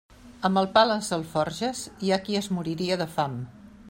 Amb el pa a les alforges hi ha qui es moriria de fam.